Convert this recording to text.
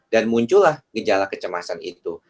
dan muncullah gejala kecemasan itu